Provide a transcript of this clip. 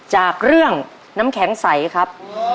จากเรื่องน้ำแข็งใสครับ